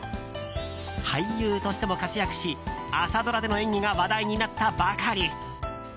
俳優としても活躍し朝ドラでの演技が話題になったばかり。